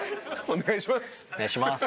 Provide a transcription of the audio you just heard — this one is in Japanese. お願いします。